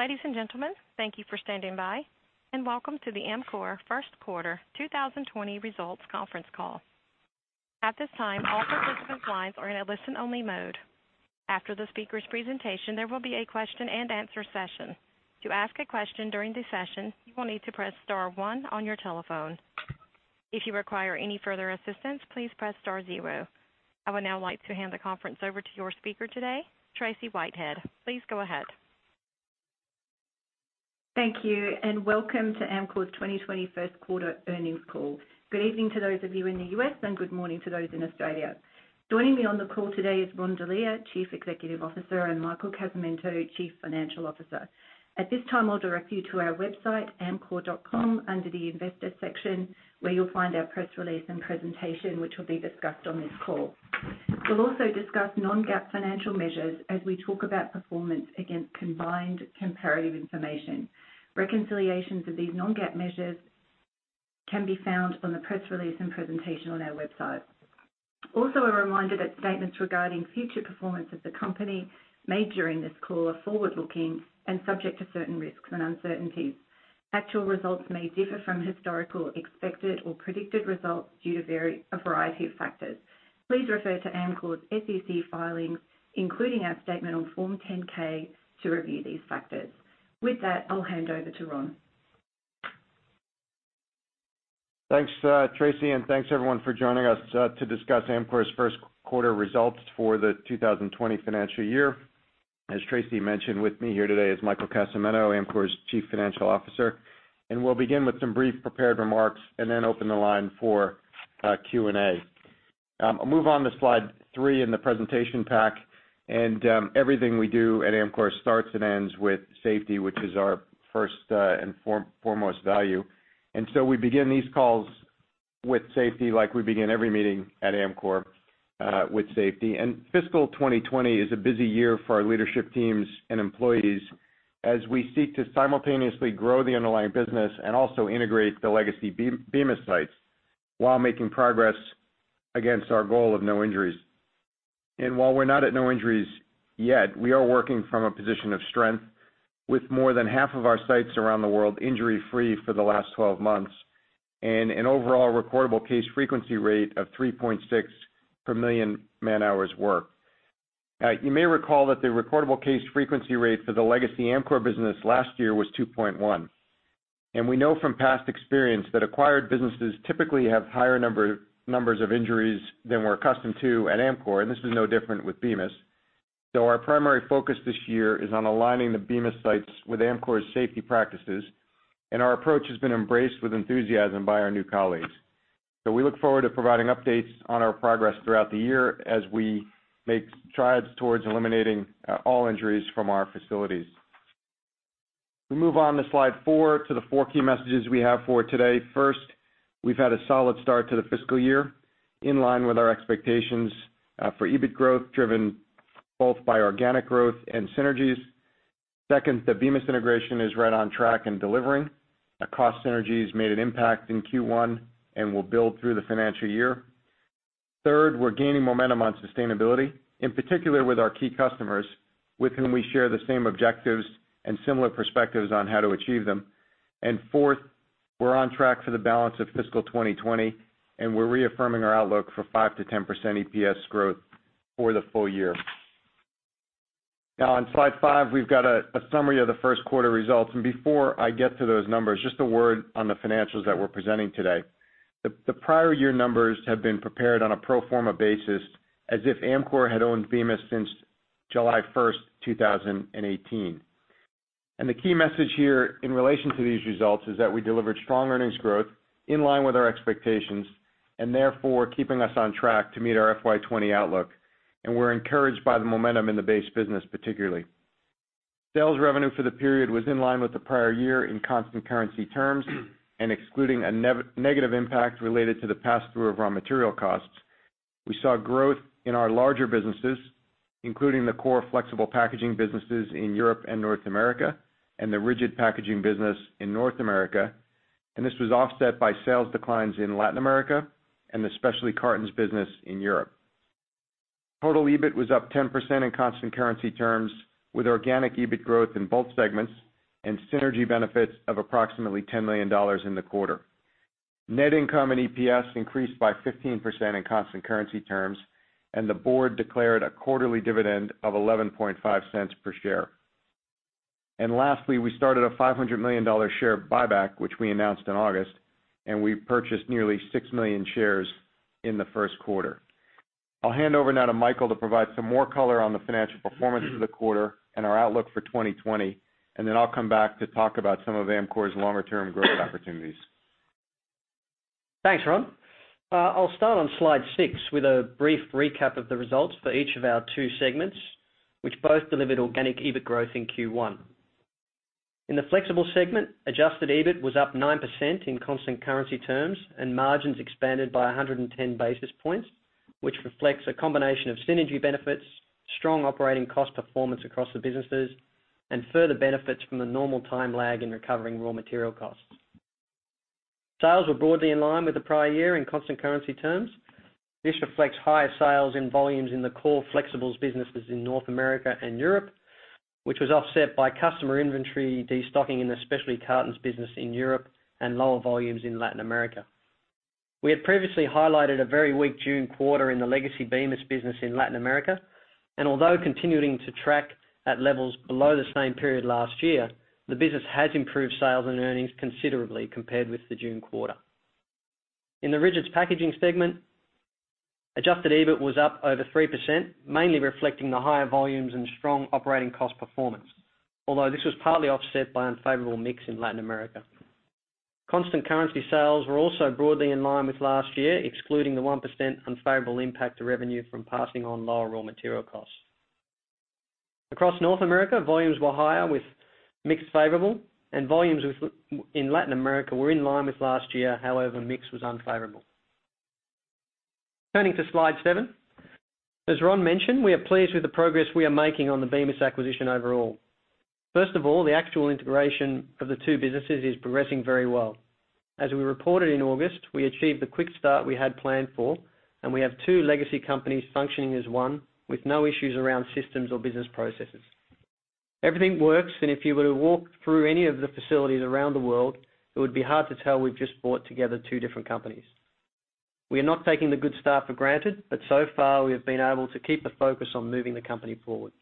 Ladies and gentlemen, thank you for standing by, and welcome to the Amcor first quarter 2020 results conference call. At this time, all participant lines are in a listen-only mode. After the speaker's presentation, there will be a question-and-answer session. To ask a question during the session, you will need to press star one on your telephone. If you require any further assistance, please press star zero. I would now like to hand the conference over to your speaker today, Tracey Whitehead. Please go ahead. Thank you, and welcome to Amcor's 2021 first quarter earnings call. Good evening to those of you in the U.S., and good morning to those in Australia. Joining me on the call today is Ron Delia, Chief Executive Officer, and Michael Casamento, Chief Financial Officer. At this time, I'll direct you to our website, amcor.com, under the Investor section, where you'll find our press release and presentation, which will be discussed on this call. We'll also discuss Non-GAAP financial measures as we talk about performance against combined comparative information. Reconciliations of these Non-GAAP measures can be found on the press release and presentation on our website. Also, a reminder that statements regarding future performance of the company made during this call are forward-looking and subject to certain risks and uncertainties. Actual results may differ from historical, expected, or predicted results due to a variety of factors. Please refer to Amcor's SEC filings, including our statement on Form 10-K, to review these factors. With that, I'll hand over to Ron. Thanks, Tracey, and thanks, everyone, for joining us to discuss Amcor's first quarter results for the 2020 financial year. As Tracey mentioned, with me here today is Michael Casamento, Amcor's Chief Financial Officer, and we'll begin with some brief prepared remarks and then open the line for Q&A. I'll move on to Slide three in the presentation pack, and everything we do at Amcor starts and ends with safety, which is our first and foremost value. And so we begin these calls with safety, like we begin every meeting at Amcor with safety. And fiscal 2020 is a busy year for our leadership teams and employees as we seek to simultaneously grow the underlying business and also integrate the legacy Bemis sites, while making progress against our goal of no injuries. And while we're not at no injuries yet, we are working from a position of strength with more than half of our sites around the world injury-free for the last 12 months, and an overall recordable case frequency rate of 3.6 per million man hours worked. You may recall that the recordable case frequency rate for the legacy Amcor business last year was 2.1, and we know from past experience that acquired businesses typically have higher numbers of injuries than we're accustomed to at Amcor, and this is no different with Bemis. So our primary focus this year is on aligning the Bemis sites with Amcor's safety practices, and our approach has been embraced with enthusiasm by our new colleagues. So we look forward to providing updates on our progress throughout the year as we make strides towards eliminating all injuries from our facilities. We move on to Slide four, to the four key messages we have for today. First, we've had a solid start to the fiscal year, in line with our expectations for EBIT growth, driven both by organic growth and synergies. Second, the Bemis integration is right on track and delivering. Our cost synergies made an impact in Q1 and will build through the financial year. Third, we're gaining momentum on sustainability, in particular with our key customers, with whom we share the same objectives and similar perspectives on how to achieve them. And fourth, we're on track for the balance of fiscal 2020, and we're reaffirming our outlook for 5%-10% EPS growth for the full year. Now, on Slide five, we've got a summary of the first quarter results. And before I get to those numbers, just a word on the financials that we're presenting today. The prior year numbers have been prepared on a pro forma basis, as if Amcor had owned Bemis since July 1st, 2018. And the key message here in relation to these results is that we delivered strong earnings growth in line with our expectations and therefore keeping us on track to meet our FY 2020 outlook, and we're encouraged by the momentum in the base business, particularly. Sales revenue for the period was in line with the prior year in constant currency terms, and excluding a negative impact related to the pass-through of raw material costs. We saw growth in our larger businesses, including the core flexible packaging businesses in Europe and North America and the Rigid Packaging business in North America, and this was offset by sales declines in Latin America and the Specialty Cartons business in Europe. Total EBIT was up 10% in constant currency terms, with organic EBIT growth in both segments and synergy benefits of approximately $10 million in the quarter. Net income and EPS increased by 15% in constant currency terms, and the board declared a quarterly dividend of $0.115 per share. Lastly, we started a $500 million share buyback, which we announced in August, and we purchased nearly 6 million shares in the first quarter. I'll hand over now to Michael to provide some more color on the financial performance for the quarter and our outlook for 2020, and then I'll come back to talk about some of Amcor's longer-term growth opportunities. Thanks, Ron. I'll start on Slide six with a brief recap of the results for each of our two segments, which both delivered organic EBIT growth in Q1. In the Flexible segment, adjusted EBIT was up 9% in constant currency terms, and margins expanded by 100 basis points, which reflects a combination of synergy benefits, strong operating cost performance across the businesses, and further benefits from the normal time lag in recovering raw material costs.... Sales were broadly in line with the prior year in constant currency terms. This reflects higher sales in volumes in the core Flexibles businesses in North America and Europe, which was offset by customer inventory destocking in the Specialty Cartons business in Europe and lower volumes in Latin America. We had previously highlighted a very weak June quarter in the legacy Bemis business in Latin America, and although continuing to track at levels below the same period last year, the business has improved sales and earnings considerably compared with the June quarter. In the Rigid Packaging segment, adjusted EBIT was up over 3%, mainly reflecting the higher volumes and strong operating cost performance, although this was partly offset by unfavorable mix in Latin America. Constant currency sales were also broadly in line with last year, excluding the 1% unfavorable impact to revenue from passing on lower raw material costs. Across North America, volumes were higher, with mix favorable, and volumes within Latin America were in line with last year, however, mix was unfavorable. Turning to slide seven. As Ron mentioned, we are pleased with the progress we are making on the Bemis acquisition overall. First of all, the actual integration of the two businesses is progressing very well. As we reported in August, we achieved the quick start we had planned for, and we have two legacy companies functioning as one, with no issues around systems or business processes. Everything works, and if you were to walk through any of the facilities around the world, it would be hard to tell we've just brought together two different companies. We are not taking the good start for granted, but so far, we have been able to keep the focus on moving the company forward.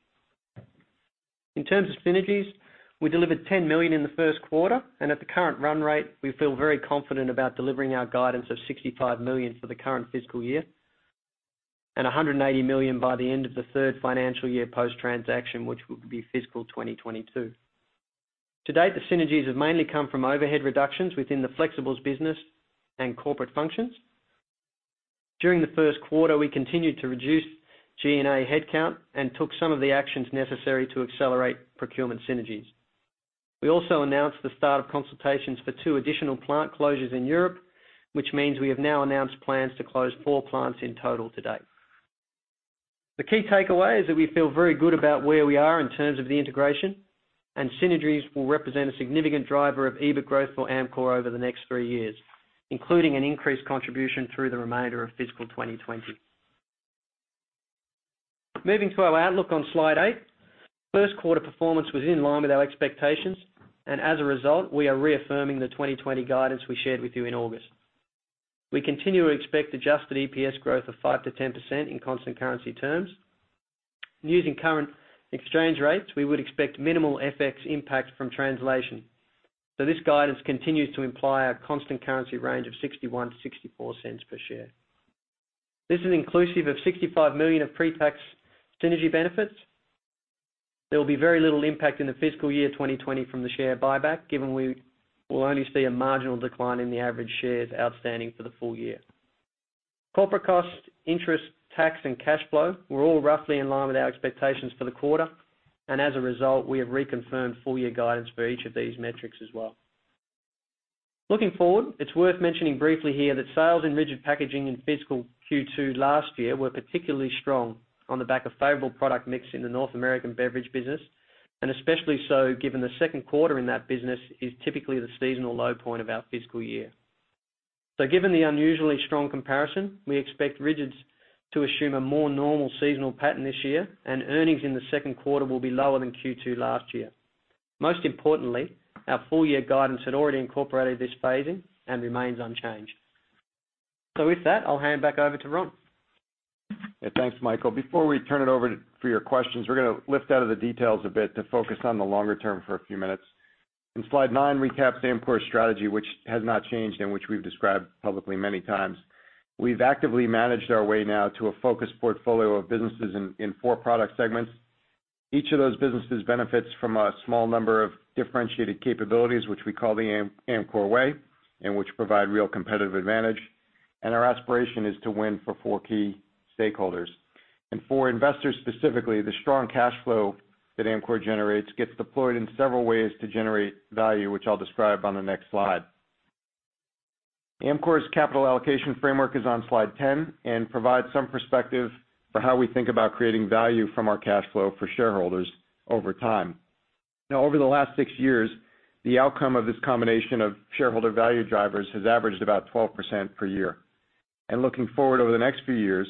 In terms of synergies, we delivered $10 million in the first quarter, and at the current run rate, we feel very confident about delivering our guidance of $65 million for the current fiscal year, and $100 million by the end of the third financial year post-transaction, which will be fiscal 2022. To date, the synergies have mainly come from overhead reductions within the Flexibles business and corporate functions. During the first quarter, we continued to reduce G&A headcount and took some of the actions necessary to accelerate procurement synergies. We also announced the start of consultations for two additional plant closures in Europe, which means we have now announced plans to close four plants in total to date. The key takeaway is that we feel very good about where we are in terms of the integration, and synergies will represent a significant driver of EBIT growth for Amcor over the next three years, including an increased contribution through the remainder of fiscal 2020. Moving to our outlook on slide eight, first quarter performance was in line with our expectations, and as a result, we are reaffirming the 2020 guidance we shared with you in August. We continue to expect Adjusted EPS growth of 5%-10% in constant currency terms and using current exchange rates, we would expect minimal FX impact from translation so this guidance continues to imply a constant currency range of $0.61-$0.64 per share. This is inclusive of $65 million of pre-tax synergy benefits. There will be very little impact in the fiscal year 2020 from the share buyback, given we will only see a marginal decline in the average shares outstanding for the full year. Corporate costs, interest, tax, and cash flow were all roughly in line with our expectations for the quarter. And as a result, we have reconfirmed full year guidance for each of these metrics as well. Looking forward, it's worth mentioning briefly here that sales in Rigid Packaging in fiscal Q2 last year were particularly strong on the back of favorable product mix in the North American beverage business, and especially so given the second quarter in that business is typically the seasonal low point of our fiscal year. So given the unusually strong comparison, we expect Rigids to assume a more normal seasonal pattern this year, and earnings in the second quarter will be lower than Q2 last year. Most importantly, our full-year guidance had already incorporated this phase-in and remains unchanged. So with that, I'll hand back over to Ron. Yeah, thanks, Michael. Before we turn it over for your questions, we're gonna lift out of the details a bit to focus on the longer term for a few minutes. In slide nine recaps Amcor's strategy, which has not changed and which we've described publicly many times. We've actively managed our way now to a focused portfolio of businesses in four product segments. Each of those businesses benefits from a small number of differentiated capabilities, which we call the Amcor Way, and which provide real competitive advantage, and our aspiration is to win for four key stakeholders. And for investors, specifically, the strong cash flow that Amcor generates gets deployed in several ways to generate value, which I'll describe on the next slide. Amcor's capital allocation framework is on slide 10 and provides some perspective for how we think about creating value from our cash flow for shareholders over time. Now, over the last six years, the outcome of this combination of shareholder value drivers has averaged about 12% per year. And looking forward over the next few years,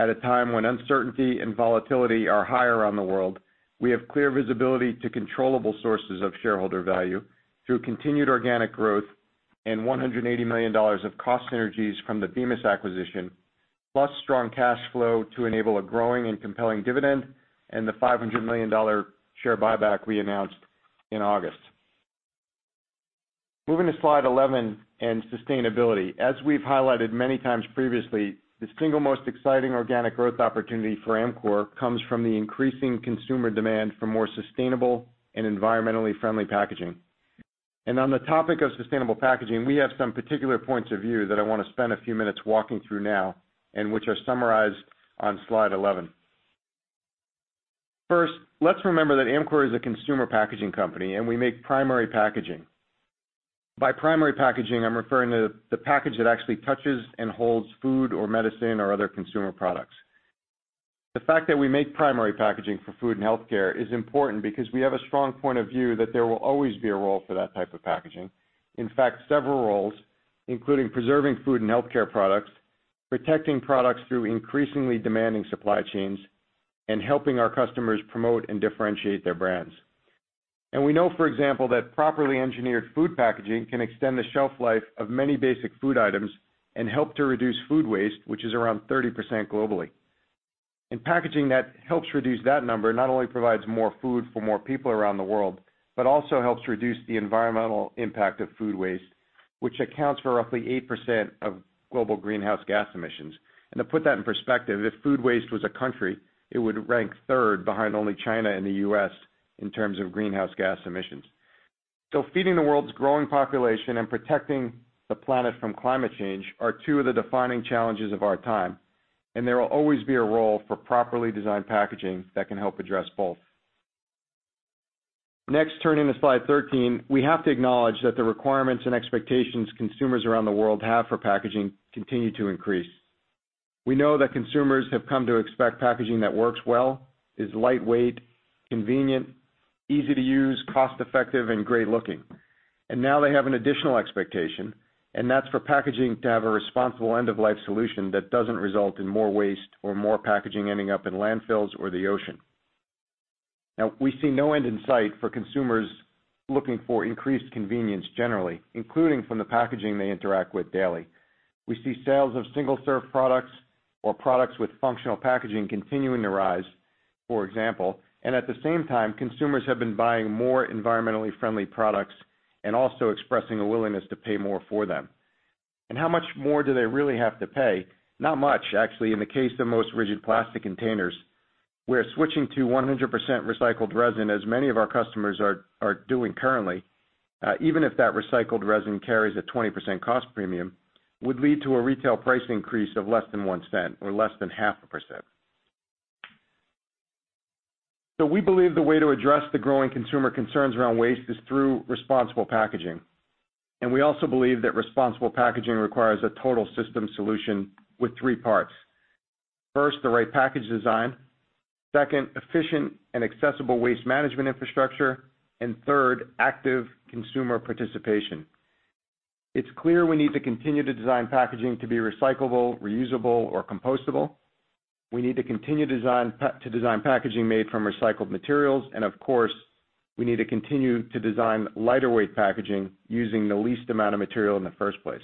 at a time when uncertainty and volatility are higher around the world, we have clear visibility to controllable sources of shareholder value through continued organic growth and $180 million of cost synergies from the Bemis acquisition, plus strong cash flow to enable a growing and compelling dividend and the $500 million share buyback we announced in August. Moving to slide 11 and sustainability. As we've highlighted many times previously, the single most exciting organic growth opportunity for Amcor comes from the increasing consumer demand for more sustainable and environmentally friendly packaging, and on the topic of sustainable packaging, we have some particular points of view that I want to spend a few minutes walking through now and which are summarized on slide 11. First, let's remember that Amcor is a consumer packaging company, and we make primary packaging. By primary packaging, I'm referring to the package that actually touches and holds food or medicine or other consumer products.... The fact that we make primary packaging for food and healthcare is important because we have a strong point of view that there will always be a role for that type of packaging. In fact, several roles, including preserving food and healthcare products, protecting products through increasingly demanding supply chains, and helping our customers promote and differentiate their brands. And we know, for example, that properly engineered food packaging can extend the shelf life of many basic food items and help to reduce food waste, which is around 30% globally. And packaging that helps reduce that number not only provides more food for more people around the world, but also helps reduce the environmental impact of food waste, which accounts for roughly 8% of global greenhouse gas emissions. And to put that in perspective, if food waste was a country, it would rank third behind only China and the U.S. in terms of greenhouse gas emissions. So feeding the world's growing population and protecting the planet from climate change are two of the defining challenges of our time, and there will always be a role for properly designed packaging that can help address both. Next, turning to slide 13, we have to acknowledge that the requirements and expectations consumers around the world have for packaging continue to increase. We know that consumers have come to expect packaging that works well, is lightweight, convenient, easy to use, cost-effective, and great-looking. And now they have an additional expectation, and that's for packaging to have a responsible end-of-life solution that doesn't result in more waste or more packaging ending up in landfills or the ocean. Now, we see no end in sight for consumers looking for increased convenience, generally, including from the packaging they interact with daily. We see sales of single-serve products or products with functional packaging continuing to rise, for example, and at the same time, consumers have been buying more environmentally friendly products and also expressing a willingness to pay more for them, and how much more do they really have to pay? Not much, actually. In the case of most rigid plastic containers, we're switching to 100% recycled resin, as many of our customers are doing currently. Even if that recycled resin carries a 20% cost premium, would lead to a retail price increase of less than $0.01 or less than 0.5%. So we believe the way to address the growing consumer concerns around waste is through responsible packaging, and we also believe that responsible packaging requires a total system solution with three parts: first, the right package design; second, efficient and accessible waste management infrastructure; and third, active consumer participation. It's clear we need to continue to design packaging to be recyclable, reusable, or compostable. We need to continue to design packaging made from recycled materials, and of course, we need to continue to design lighter-weight packaging using the least amount of material in the first place.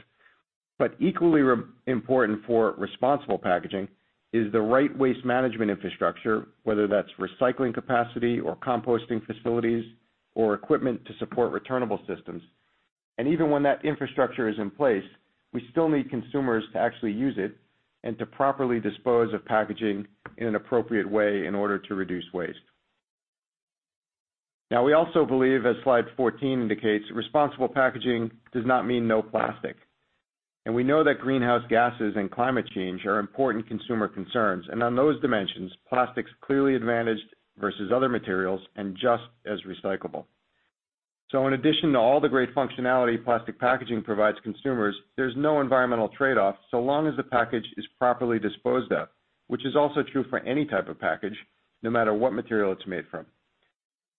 But equally important for responsible packaging is the right waste management infrastructure, whether that's recycling capacity or composting facilities or equipment to support returnable systems. And even when that infrastructure is in place, we still need consumers to actually use it and to properly dispose of packaging in an appropriate way in order to reduce waste. Now, we also believe, as slide fourteen indicates, responsible packaging does not mean no plastic. And we know that greenhouse gases and climate change are important consumer concerns, and on those dimensions, plastics clearly advantaged versus other materials and just as recyclable. So in addition to all the great functionality plastic packaging provides consumers, there's no environmental trade-off, so long as the package is properly disposed of, which is also true for any type of package, no matter what material it's made from.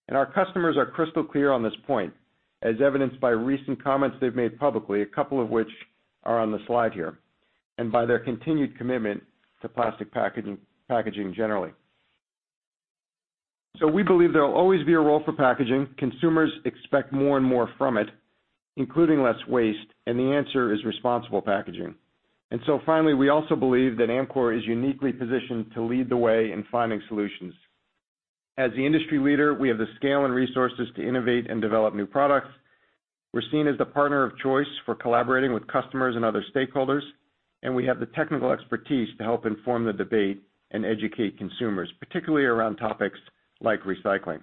And our customers are crystal clear on this point, as evidenced by recent comments they've made publicly, a couple of which are on the slide here, and by their continued commitment to plastic packaging generally. So we believe there will always be a role for packaging. Consumers expect more and more from it, including less waste, and the answer is responsible packaging. And so finally, we also believe that Amcor is uniquely positioned to lead the way in finding solutions. As the industry leader, we have the scale and resources to innovate and develop new products. We're seen as the partner of choice for collaborating with customers and other stakeholders, and we have the technical expertise to help inform the debate and educate consumers, particularly around topics like recycling.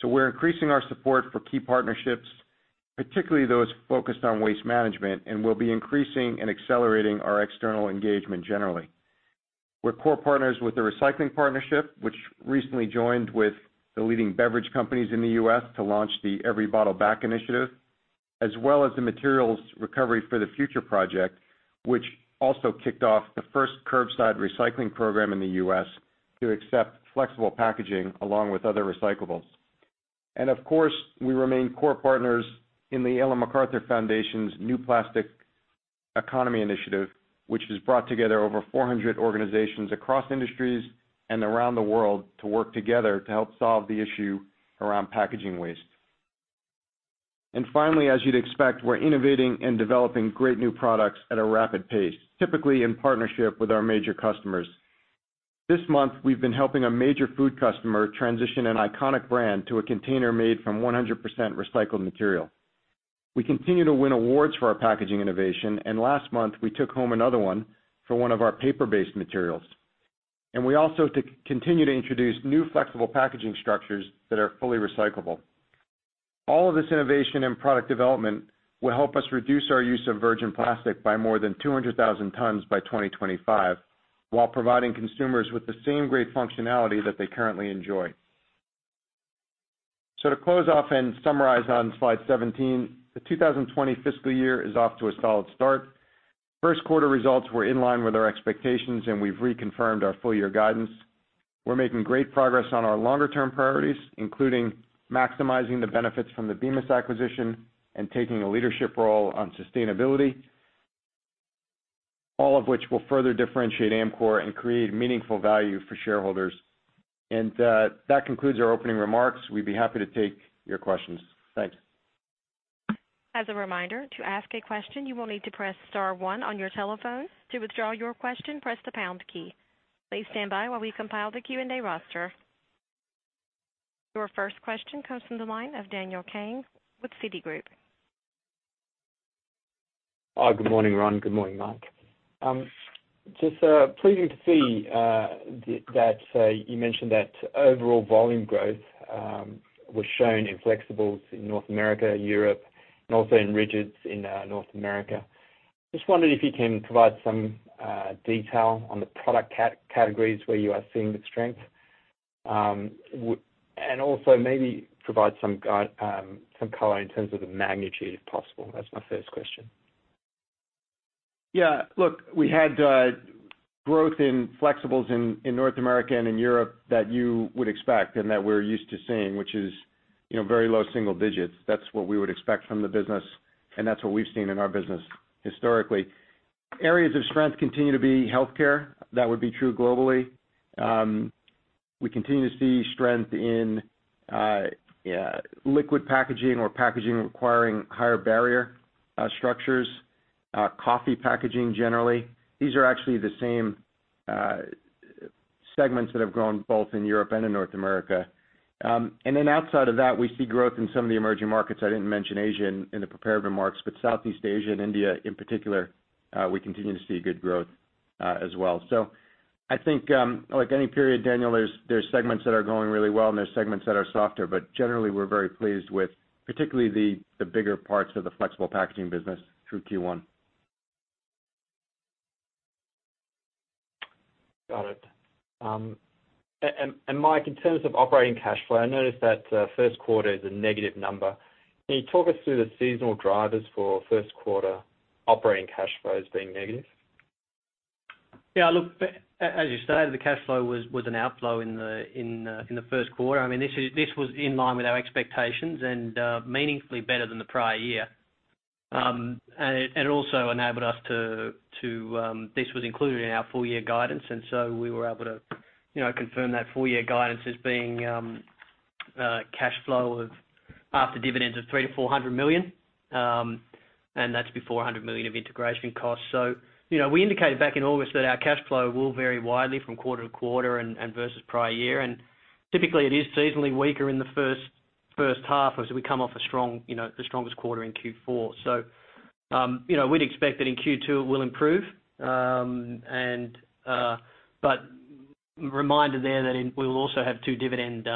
So we're increasing our support for key partnerships, particularly those focused on waste management, and we'll be increasing and accelerating our external engagement generally. We're core partners with the Recycling Partnership, which recently joined with the leading beverage companies in the U.S. to launch the Every Bottle Back initiative, as well as the Materials Recovery for the Future project, which also kicked off the first curbside recycling program in the U.S. to accept flexible packaging along with other recyclables. And of course, we remain core partners in the Ellen MacArthur Foundation's New Plastics Economy initiative, which has brought together over 400 organizations across industries and around the world to work together to help solve the issue around packaging waste. And finally, as you'd expect, we're innovating and developing great new products at a rapid pace, typically in partnership with our major customers. This month, we've been helping a major food customer transition an iconic brand to a container made from 100% recycled material. We continue to win awards for our packaging innovation, and last month, we took home another one for one of our paper-based materials, and we also continue to introduce new flexible packaging structures that are fully recyclable. All of this innovation and product development will help us reduce our use of virgin plastic by more than 200,000 tons by 2025, while providing consumers with the same great functionality that they currently enjoy. To close off and summarize on slide 17, the 2020 fiscal year is off to a solid start. First quarter results were in line with our expectations, and we've reconfirmed our full year guidance. We're making great progress on our longer term priorities, including maximizing the benefits from the Bemis acquisition and taking a leadership role on sustainability, all of which will further differentiate Amcor and create meaningful value for shareholders, and that concludes our opening remarks. We'd be happy to take your questions. Thanks. As a reminder, to ask a question, you will need to press star one on your telephone. To withdraw your question, press the pound key. Please stand by while we compile the Q&A roster. Your first question comes from the line of Daniel Kang with Citigroup. Hi, good morning, Ron. Good morning, Mike. Just pleasing to see that you mentioned that overall volume growth was shown in Flexibles in North America, Europe, and also in Rigids in North America. Just wondering if you can provide some detail on the product categories where you are seeing the strength, and also maybe provide some color in terms of the magnitude, if possible. That's my first question. Yeah, look, we had growth in Flexibles in North America and in Europe that you would expect and that we're used to seeing, which is, you know, very low single digits. That's what we would expect from the business, and that's what we've seen in our business historically. Areas of strength continue to be healthcare. That would be true globally. We continue to see strength in liquid packaging or packaging requiring higher barrier structures, coffee packaging, generally. These are actually the same segments that have grown both in Europe and in North America. And then outside of that, we see growth in some of the emerging markets. I didn't mention Asia in the prepared remarks, but Southeast Asia and India in particular, we continue to see good growth, as well. I think, like any period, Daniel, there's segments that are going really well, and there's segments that are softer. But generally, we're very pleased with particularly the bigger parts of the flexible packaging business through Q1. Got it. And Mike, in terms of operating cash flow, I noticed that first quarter is a negative number. Can you talk us through the seasonal drivers for first quarter operating cash flows being negative? Yeah, look, as you stated, the cash flow was an outflow in the first quarter. I mean, this was in line with our expectations and meaningfully better than the prior year. And it also enabled us to... This was included in our full year guidance, and so we were able to, you know, confirm that full year guidance as being cash flow of half the dividends of $300 million-$400 million, and that's before $100 million of integration costs. So, you know, we indicated back in August that our cash flow will vary widely from quarter to quarter and versus prior year. And typically, it is seasonally weaker in the first half as we come off a strong, you know, the strongest quarter in Q4. So, you know, we'd expect that in Q2 it will improve, and but reminder there that we will also have two dividend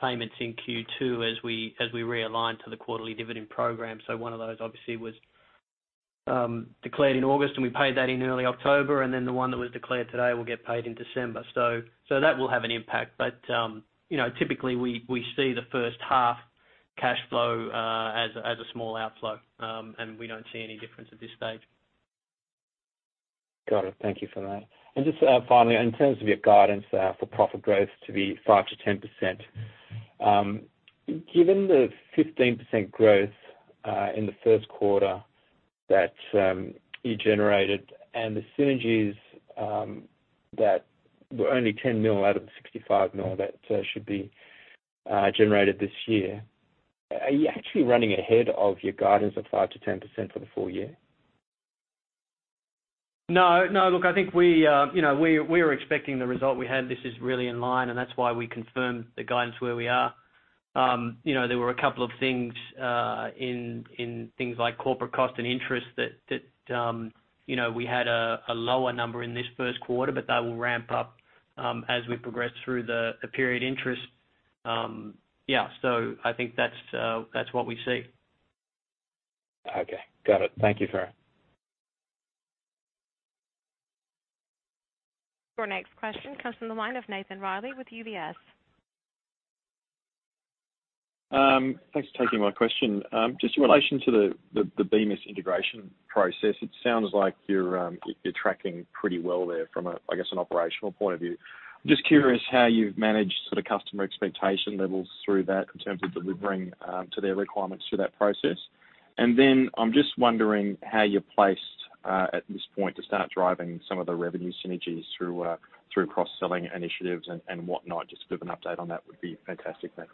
payments in Q2 as we, as we realign to the quarterly dividend program. So one of those obviously was declared in August, and we paid that in early October, and then the one that was declared today will get paid in December. So, so that will have an impact. But, you know, typically, we, we see the first half cash flow as, as a small outflow, and we don't see any difference at this stage. Got it. Thank you for that. And just finally, in terms of your guidance for profit growth to be 5%-10%, given the 15% growth in the first quarter that you generated and the synergies that were only 10 mil out of the 65 mil that should be generated this year, are you actually running ahead of your guidance of 5%-10% for the full year? No. No, look, I think we, you know, we were expecting the result we had. This is really in line, and that's why we confirmed the guidance where we are. You know, there were a couple of things in things like corporate cost and interest that, you know, we had a lower number in this first quarter, but that will ramp up as we progress through the period interest. Yeah, so I think that's what we see. Okay. Got it. Thank you for that. Your next question comes from the line of Nathan Reilly with UBS. Thanks for taking my question. Just in relation to the Bemis integration process, it sounds like you're tracking pretty well there from a, I guess, an operational point of view. Just curious how you've managed sort of customer expectation levels through that in terms of delivering to their requirements through that process. And then I'm just wondering how you're placed at this point to start driving some of the revenue synergies through cross-selling initiatives and whatnot. Just a bit of an update on that would be fantastic. Thanks.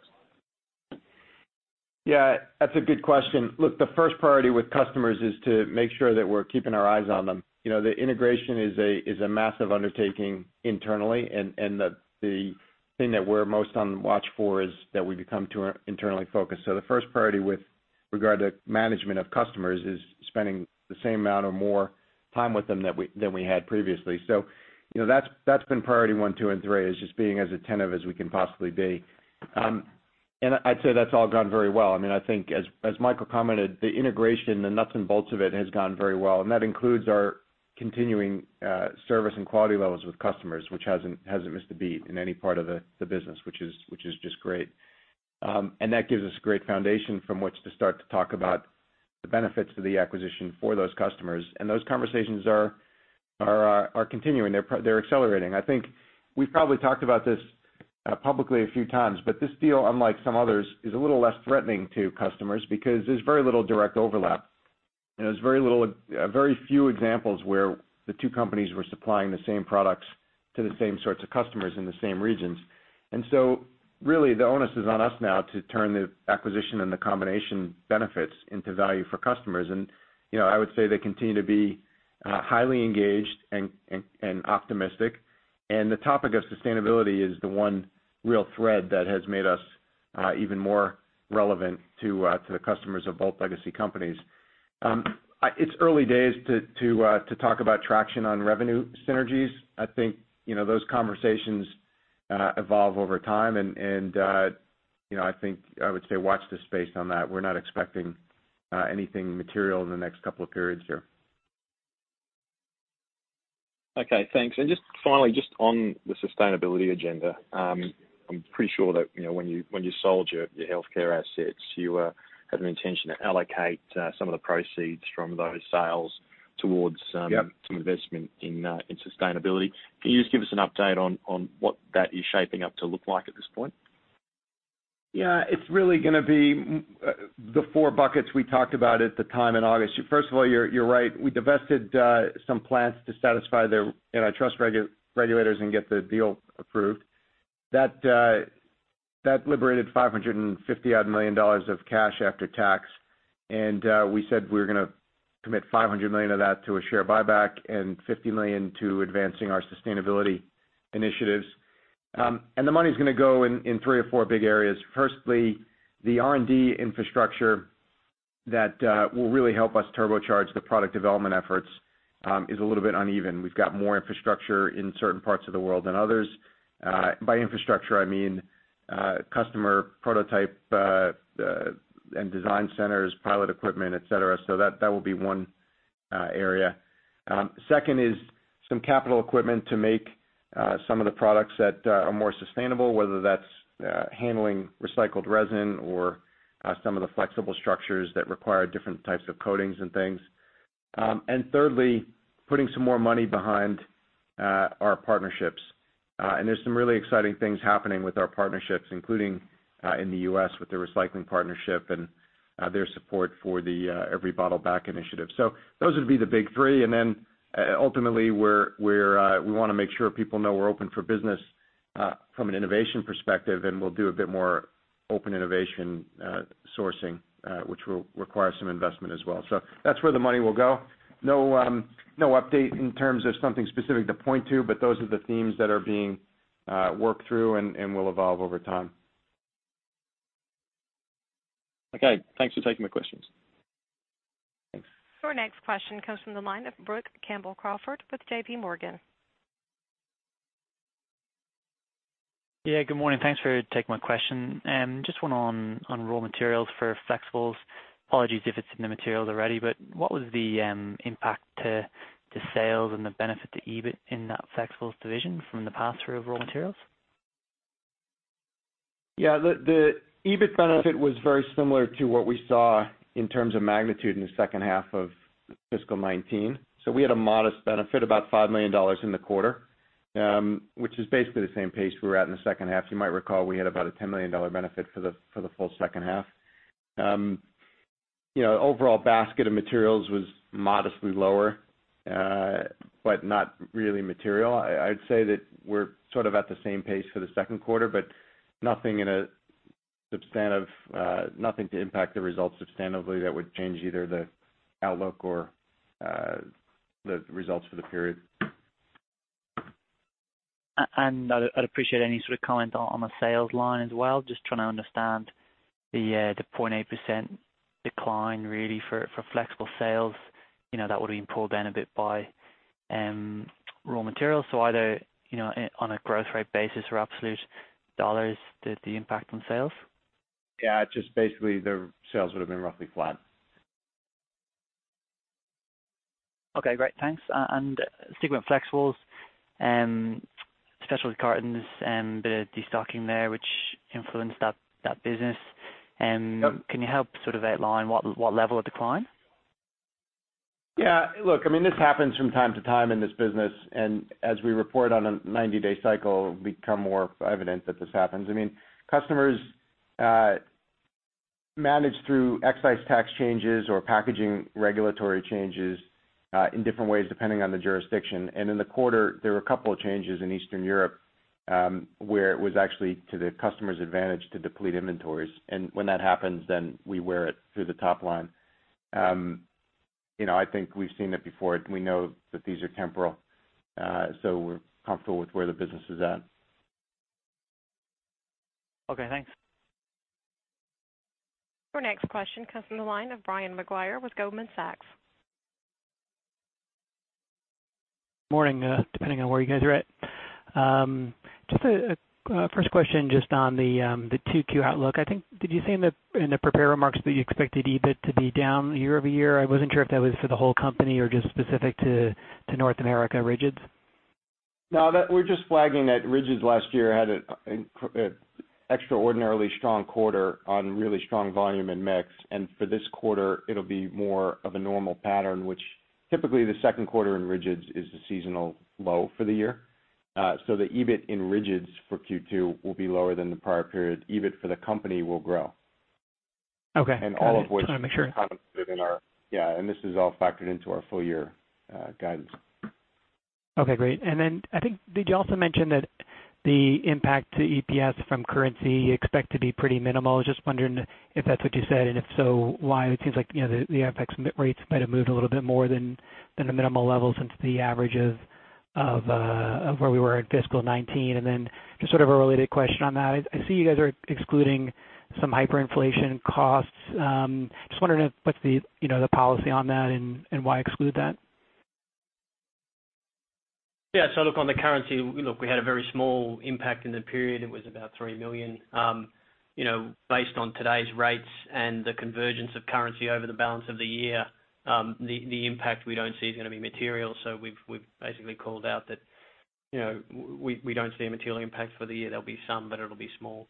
Yeah, that's a good question. Look, the first priority with customers is to make sure that we're keeping our eyes on them. You know, the integration is a massive undertaking internally, and the thing that we're most on watch for is that we become too internally focused. So the first priority with regard to management of customers is spending the same amount or more time with them than we had previously. So you know, that's been priority one, two, and three, is just being as attentive as we can possibly be. And I'd say that's all gone very well. I mean, I think as Michael commented, the integration, the nuts and bolts of it, has gone very well, and that includes our-... Continuing service and quality levels with customers, which hasn't missed a beat in any part of the business, which is just great. And that gives us a great foundation from which to start to talk about the benefits of the acquisition for those customers, and those conversations are continuing, they're accelerating. I think we've probably talked about this publicly a few times, but this deal, unlike some others, is a little less threatening to customers because there's very little direct overlap, and there's very few examples where the two companies were supplying the same products to the same sorts of customers in the same regions. And so really, the onus is on us now to turn the acquisition and the combination benefits into value for customers. And, you know, I would say they continue to be highly engaged and optimistic. And the topic of sustainability is the one real thread that has made us even more relevant to the customers of both legacy companies. It's early days to talk about traction on revenue synergies. I think, you know, those conversations evolve over time, and, you know, I think I would say watch this space on that. We're not expecting anything material in the next couple of periods here. Okay, thanks. And just finally, just on the sustainability agenda, I'm pretty sure that, you know, when you sold your healthcare assets, you had an intention to allocate some of the proceeds from those sales towards, Yep... some investment in sustainability. Can you just give us an update on what that is shaping up to look like at this point? Yeah, it's really gonna be the four buckets we talked about at the time in August. First of all, you're, you're right. We divested some plants to satisfy their antitrust regulators and get the deal approved. That, that liberated $550 million of cash after tax, and we said we were gonna commit $500 million of that to a share buyback and $50 million to advancing our sustainability initiatives. And the money's gonna go in three or four big areas. Firstly, the R&D infrastructure that will really help us turbocharge the product development efforts is a little bit uneven. We've got more infrastructure in certain parts of the world than others. By infrastructure, I mean customer prototype and design centers, pilot equipment, et cetera. So that will be one area. Second is some capital equipment to make some of the products that are more sustainable, whether that's handling recycled resin or some of the flexible structures that require different types of coatings and things. And thirdly, putting some more money behind our partnerships. And there's some really exciting things happening with our partnerships, including in the U.S. with the Recycling Partnership and their support for the Every Bottle Back initiative. So those would be the big three, and then ultimately, we wanna make sure people know we're open for business from an innovation perspective, and we'll do a bit more open innovation sourcing, which will require some investment as well. So that's where the money will go. No, no update in terms of something specific to point to, but those are the themes that are being worked through and will evolve over time. Okay, thanks for taking my questions. Thanks. Our next question comes from the line of Brook Campbell-Crawford with JP Morgan. Yeah, good morning. Thanks for taking my question. Just one on raw materials for Flexibles. Apologies if it's in the materials already, but what was the impact to sales and the benefit to EBIT in that Flexibles division from the pass-through of raw materials? Yeah, the EBIT benefit was very similar to what we saw in terms of magnitude in the second half of fiscal 2019. So we had a modest benefit, about $5 million in the quarter, which is basically the same pace we were at in the second half. You might recall, we had about a $10 million benefit for the full second half. You know, overall basket of materials was modestly lower, but not really material. I'd say that we're sort of at the same pace for the second quarter, but nothing to impact the results substantively that would change either the outlook or the results for the period. And I'd appreciate any sort of comment on the sales line as well. Just trying to understand the 0.8% decline really for Flexible sales, you know, that would have been pulled down a bit by raw materials. So either, you know, on a growth rate basis or absolute dollars, the impact on sales. Yeah, just basically, the sales would have been roughly flat. Okay, great. Thanks, and sticking with Flexibles, Specialty Cartons and the destocking there, which influenced that business. Yep. Can you help sort of outline what level of decline? Yeah. Look, I mean, this happens from time to time in this business, and as we report on a 90-day cycle, become more evident that this happens. I mean, customers manage through excise tax changes or packaging regulatory changes in different ways, depending on the jurisdiction. And in the quarter, there were a couple of changes in Eastern Europe, where it was actually to the customer's advantage to deplete inventories. And when that happens, then we wear it through the top line. You know, I think we've seen it before. We know that these are temporal, so we're comfortable with where the business is at. Okay, thanks. Our next question comes from the line of Brian Maguire with Goldman Sachs.... Morning, depending on where you guys are at. Just a first question just on the 2Q outlook. I think, did you say in the prepared remarks that you expected EBIT to be down year-over-year? I wasn't sure if that was for the whole company or just specific to North America Rigids. No, that we're just flagging that Rigids last year had an extraordinarily strong quarter on really strong volume and mix. And for this quarter, it'll be more of a normal pattern, which typically, the second quarter in Rigids is the seasonal low for the year. So the EBIT in Rigids for Q2 will be lower than the prior period. EBIT for the company will grow. Okay. And all of which- Just wanna make sure. Yeah, and this is all factored into our full-year guidance. Okay, great. And then I think, did you also mention that the impact to EPS from currency, you expect to be pretty minimal? I was just wondering if that's what you said, and if so, why? It seems like, you know, the FX rates might have moved a little bit more than the minimal levels since the averages of where we were at fiscal 2019. And then just sort of a related question on that. I see you guys are excluding some hyperinflation costs. Just wondering what's the policy on that and why exclude that? Yeah. So look, on the currency, look, we had a very small impact in the period. It was about $3 million. You know, based on today's rates and the convergence of currency over the balance of the year, the impact we don't see is gonna be material. So we've basically called out that, you know, we don't see a material impact for the year. There'll be some, but it'll be small,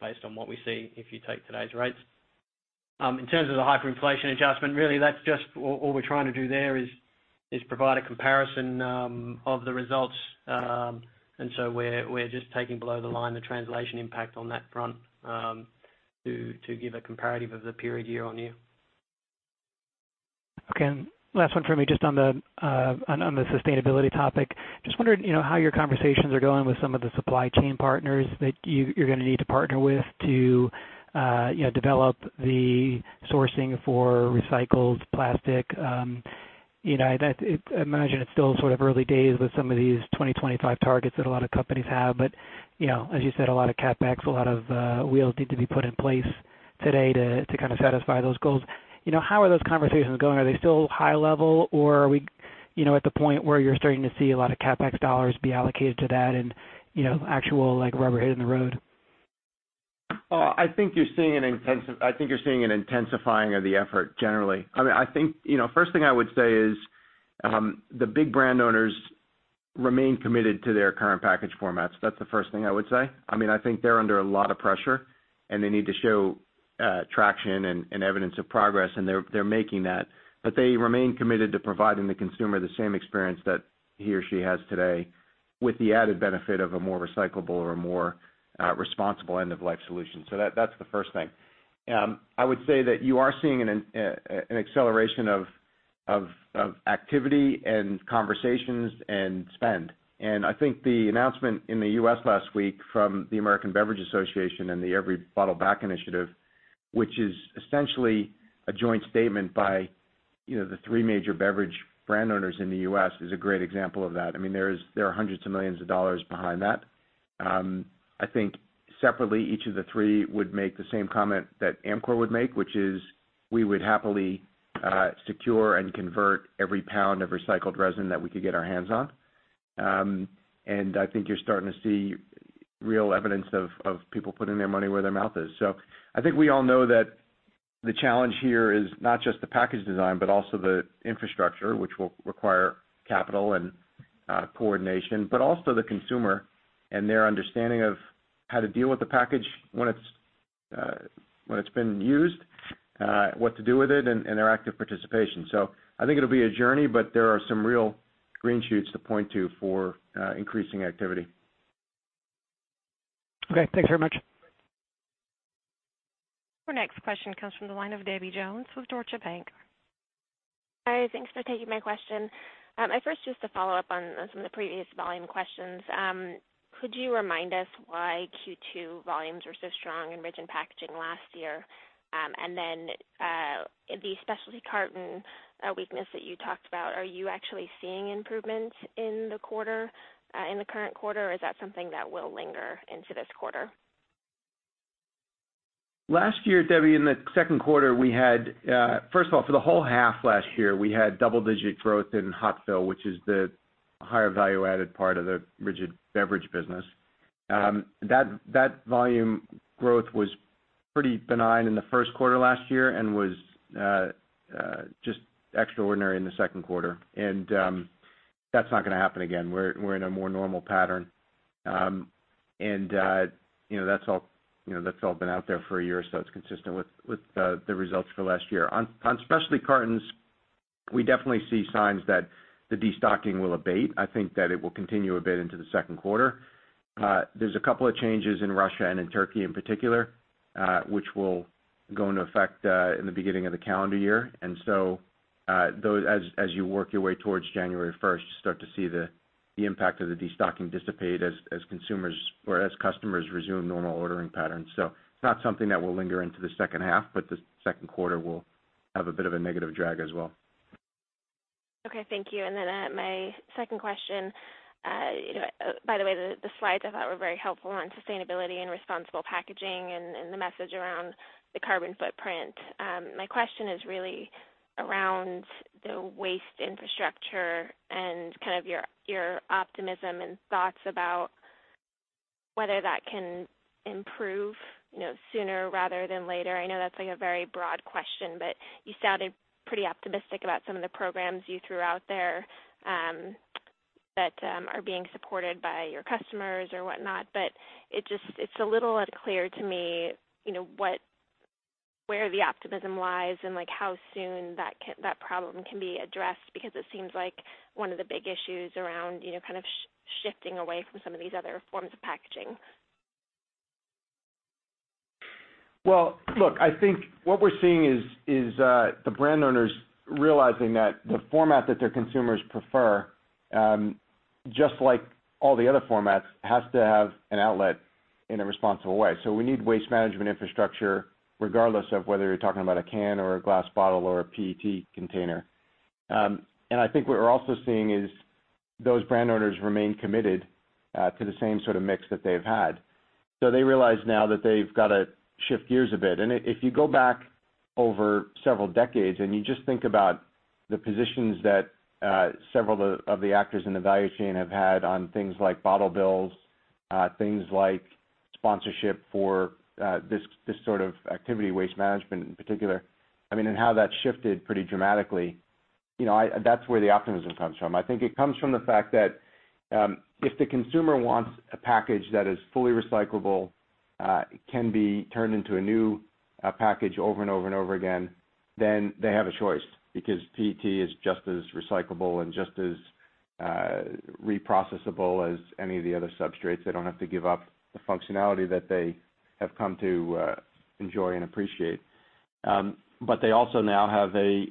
based on what we see if you take today's rates. In terms of the hyperinflation adjustment, really, that's just... All we're trying to do there is provide a comparison of the results. And so we're just taking below the line, the translation impact on that front, to give a comparative of the period year on year. Okay, and last one for me, just on the sustainability topic. Just wondering, you know, how your conversations are going with some of the supply chain partners that you, you're gonna need to partner with to, you know, develop the sourcing for recycled plastic? You know, I imagine it's still sort of early days with some of these 2025 targets that a lot of companies have, but, you know, as you said, a lot of CapEx, a lot of wheels need to be put in place today to kind of satisfy those goals. You know, how are those conversations going? Are they still high level, or are we, you know, at the point where you're starting to see a lot of CapEx dollars be allocated to that and, you know, actual, like, rubber hitting the road? I think you're seeing an intensifying of the effort generally. I mean, I think, you know, first thing I would say is, the big brand owners remain committed to their current package formats. That's the first thing I would say. I mean, I think they're under a lot of pressure, and they need to show, traction and evidence of progress, and they're making that. But they remain committed to providing the consumer the same experience that he or she has today, with the added benefit of a more recyclable or a more responsible end-of-life solution. So that, that's the first thing. I would say that you are seeing an acceleration of activity and conversations and spend. And I think the announcement in the U.S. last week from the American Beverage Association and the Every Bottle Back initiative, which is essentially a joint statement by, you know, the three major beverage brand owners in the U.S., is a great example of that. I mean, there are hundreds of millions of dollars behind that. I think separately, each of the three would make the same comment that Amcor would make, which is we would happily secure and convert every pound of recycled resin that we could get our hands on. And I think you're starting to see real evidence of people putting their money where their mouth is. So I think we all know that the challenge here is not just the package design, but also the infrastructure, which will require capital and coordination, but also the consumer and their understanding of how to deal with the package when it's been used, what to do with it, and their active participation. So I think it'll be a journey, but there are some real green shoots to point to for increasing activity. Okay, thanks very much. Our next question comes from the line of Debbie Jones with Deutsche Bank. Hi, thanks for taking my question. I first just to follow up on some of the previous volume questions. Could you remind us why Q2 volumes were so strong in Rigid Packaging last year? And then, the specialty carton weakness that you talked about, are you actually seeing improvement in the quarter, in the current quarter, or is that something that will linger into this quarter? Last year, Debbie, in the second quarter, we had, first of all, for the whole half last year, we had double-digit growth in Hot Fill, which is the higher value-added part of the rigid beverage business. That volume growth was pretty benign in the first quarter last year and was just extraordinary in the second quarter. That's not gonna happen again. We're in a more normal pattern. You know, that's all, you know, that's all been out there for a year, so it's consistent with the results for last year. On Specialty Cartons, we definitely see signs that the destocking will abate. I think that it will continue a bit into the second quarter. There's a couple of changes in Russia and in Turkey in particular, which will go into effect in the beginning of the calendar year. And so, those, as you work your way towards January 1st, you start to see the impact of the destocking dissipate as consumers or as customers resume normal ordering patterns. So not something that will linger into the second half, but the second quarter will have a bit of a negative drag as well. Okay, thank you. And then, my second question. You know, by the way, the slides I thought were very helpful on sustainability and responsible packaging and the message around the carbon footprint. My question is really around the waste infrastructure and kind of your optimism and thoughts about whether that can improve, you know, sooner rather than later. I know that's like a very broad question, but you sounded pretty optimistic about some of the programs you threw out there that are being supported by your customers or whatnot. But it just it's a little unclear to me, you know, what where the optimism lies and like how soon that problem can be addressed. Because it seems like one of the big issues around, you know, kind of shifting away from some of these other forms of packaging. Well, look, I think what we're seeing is the brand owners realizing that the format that their consumers prefer, just like all the other formats, has to have an outlet in a responsible way. So we need waste management infrastructure, regardless of whether you're talking about a can or a glass bottle or a PET container. And I think what we're also seeing is those brand owners remain committed to the same sort of mix that they've had. So they realize now that they've got to shift gears a bit. And if you go back over several decades, and you just think about the positions that several of the actors in the value chain have had on things like bottle bills, things like sponsorship for this sort of activity, waste management in particular, I mean, and how that's shifted pretty dramatically, you know, that's where the optimism comes from. I think it comes from the fact that if the consumer wants a package that is fully recyclable, it can be turned into a new package over and over and over again, then they have a choice. Because PET is just as recyclable and just as reprocessable as any of the other substrates. They don't have to give up the functionality that they have come to enjoy and appreciate. But they also now have a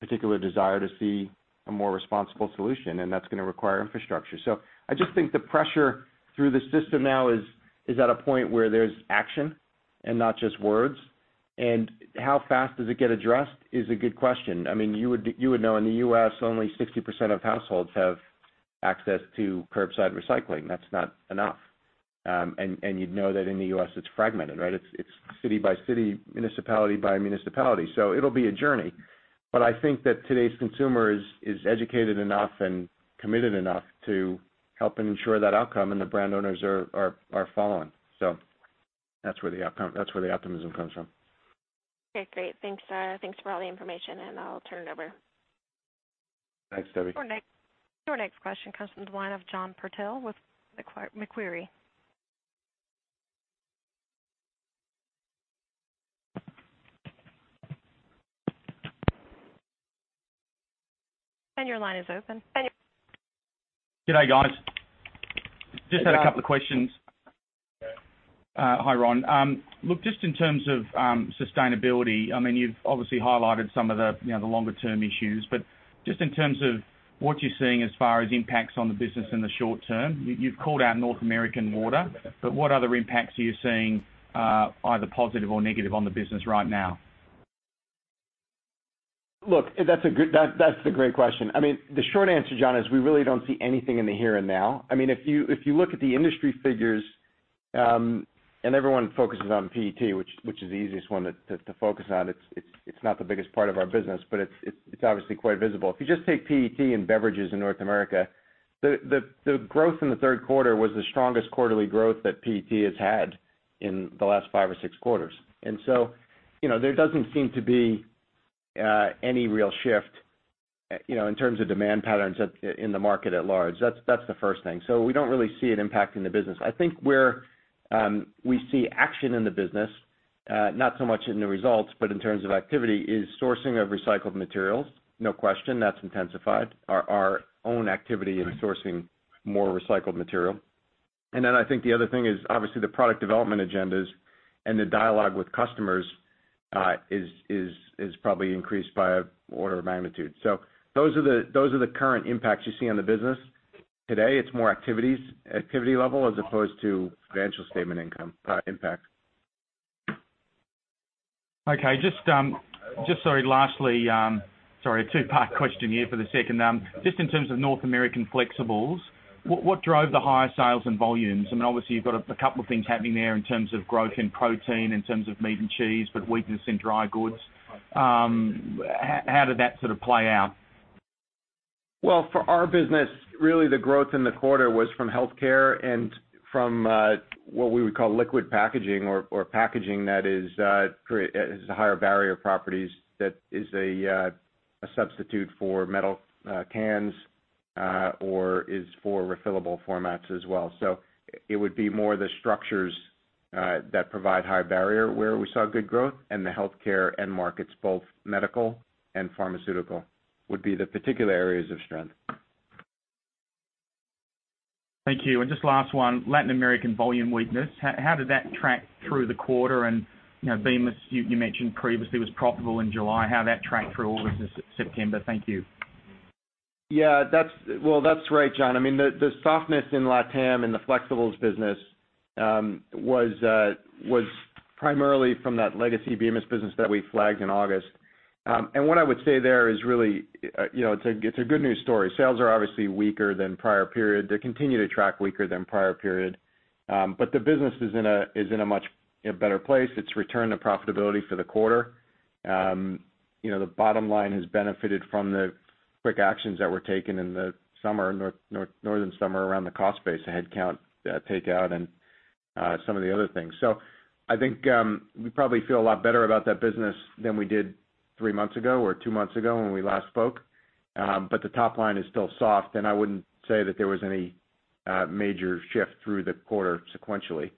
particular desire to see a more responsible solution, and that's gonna require infrastructure. So I just think the pressure through the system now is at a point where there's action and not just words. And how fast does it get addressed is a good question. I mean, you would know, in the U.S., only 60% of households have access to curbside recycling. That's not enough. And you'd know that in the U.S., it's fragmented, right? It's city by city, municipality by municipality. So it'll be a journey, but I think that today's consumer is educated enough and committed enough to help and ensure that outcome, and the brand owners are following. So that's where the outcome, that's where the optimism comes from. Okay, great. Thanks, thanks for all the information, and I'll turn it over. Thanks, Debbie. Your next question comes from the line of John Purtell with Macquarie. And your line is open. Good day, guys. Good day. Just had a couple of questions. Hi, Ron. Look, just in terms of sustainability, I mean, you've obviously highlighted some of the, you know, the longer term issues, but just in terms of what you're seeing as far as impacts on the business in the short term, you've called out North American Water, but what other impacts are you seeing, either positive or negative, on the business right now? Look, that's a good, that's a great question. I mean, the short answer, John, is we really don't see anything in the here and now. I mean, if you look at the industry figures, and everyone focuses on PET, which is the easiest one to focus on, it's not the biggest part of our business, but it's obviously quite visible. If you just take PET in beverages in North America, the growth in the third quarter was the strongest quarterly growth that PET has had in the last five or six quarters. And so, you know, there doesn't seem to be any real shift, you know, in terms of demand patterns in the market at large. That's the first thing. So we don't really see an impact in the business. I think where we see action in the business, not so much in the results, but in terms of activity, is sourcing of recycled materials. No question, that's intensified our own activity in sourcing more recycled material, and then I think the other thing is, obviously, the product development agendas and the dialogue with customers is probably increased by an order of magnitude, so those are the current impacts you see on the business. Today, it's more activity level as opposed to financial statement income impact. Okay. Just, just sorry, lastly, a two-part question here for the second. Just in terms of North American Flexibles, what drove the higher sales and volumes? I mean, obviously, you've got a couple of things happening there in terms of growth in protein, in terms of meat and cheese, but weakness in dry goods. How did that sort of play out? Well, for our business, really the growth in the quarter was from healthcare and from what we would call liquid packaging or packaging that has higher barrier properties, that is a substitute for metal cans or is for refillable formats as well. So it would be more the structures that provide high barrier where we saw good growth, and the healthcare end markets, both medical and pharmaceutical, would be the particular areas of strength. Thank you. And just last one, Latin American volume weakness, how did that track through the quarter? And, you know, Bemis, you mentioned previously, was profitable in July. How did that track through August and September? Thank you. Yeah, that's... Well, that's right, John. I mean, the softness in LatAm and the Flexibles business was primarily from that legacy Bemis business that we flagged in August. And what I would say there is really, you know, it's a good news story. Sales are obviously weaker than prior period. They continue to track weaker than prior period, but the business is in a much better place. It's returned to profitability for the quarter. You know, the bottom line has benefited from the quick actions that were taken in the summer, northern summer, around the cost base, the headcount takeout, and some of the other things. So I think we probably feel a lot better about that business than we did three months ago or two months ago when we last spoke. But the top line is still soft, and I wouldn't say that there was any major shift through the quarter sequentially.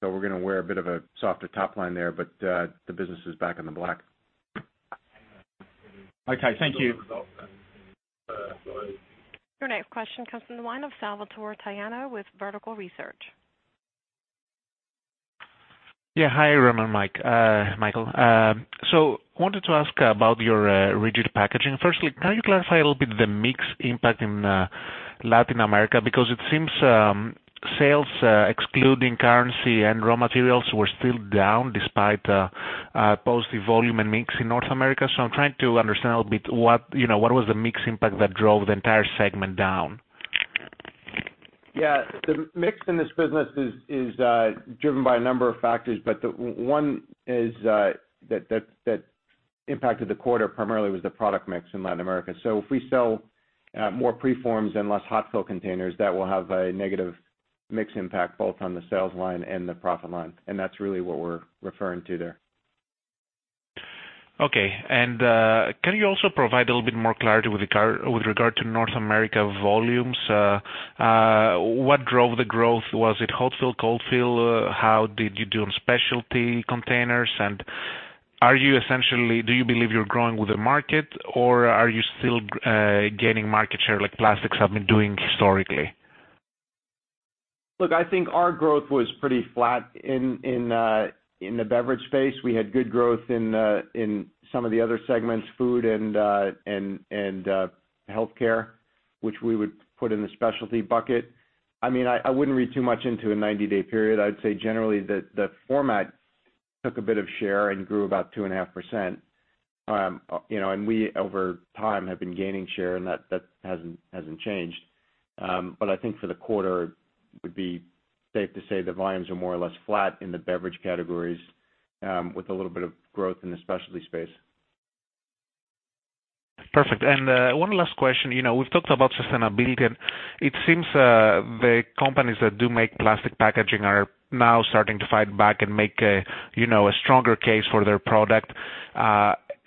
So we're gonna wear a bit of a softer top line there, but the business is back in the black. Okay, thank you. Your next question comes from the line of Salvatore Tiano with Vertical Research. Yeah. Hi, Ron and Mike, Michael. So wanted to ask about your Rigid Packaging. Firstly, can you clarify a little bit the mix impact in Latin America? Because it seems sales excluding currency and raw materials were still down despite positive volume and mix in North America. So I'm trying to understand a little bit what, you know, what was the mix impact that drove the entire segment down? Yeah, the mix in this business is driven by a number of factors, but the one is that impacted the quarter primarily was the product mix in Latin America. So if we sell more preforms and less hot-fill containers, that will have a negative mix impact, both on the sales line and the profit line, and that's really what we're referring to there. Okay. And, can you also provide a little bit more clarity with regard to North America volumes? What drove the growth? Was it hot-fill, cold-fill? How did you do on specialty containers? And do you believe you're growing with the market, or are you still gaining market share, like plastics have been doing historically? Look, I think our growth was pretty flat in the beverage space. We had good growth in some of the other segments, food and healthcare, which we would put in the specialty bucket. I mean, I wouldn't read too much into a ninety-day period. I'd say generally, the format took a bit of share and grew about 2.5%. You know, and we, over time, have been gaining share, and that hasn't changed. But I think for the quarter, it would be safe to say the volumes are more or less flat in the beverage categories, with a little bit of growth in the specialty space. Perfect. And, one last question. You know, we've talked about sustainability, and it seems, the companies that do make plastic packaging are now starting to fight back and make a, you know, a stronger case for their product.